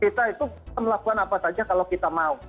kita itu melakukan apa saja kalau kita mau